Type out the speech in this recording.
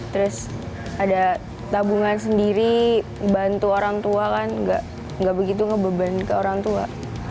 terus ada tabungan sendiri bantu orang tua kan nggak begitu ngebeban ke orang tua